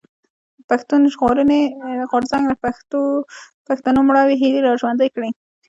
پښتون ژغورني غورځنګ د پښتنو مړاوي هيلې را ژوندۍ کړې.